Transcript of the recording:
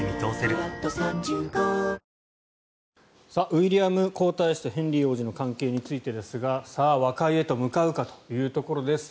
ウィリアム皇太子とヘンリー王子の関係についてですが和解へと向かうかというところです。